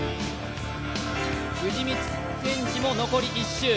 藤光謙司も残り１周。